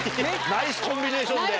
ナイスコンビネーションで。